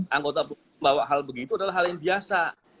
anggota bawa hal begitu adalah hal yang biasa